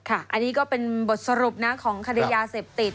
อันนี้ก็เป็นบทสรุปของฯ๑๐ติด